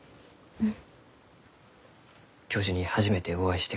うん。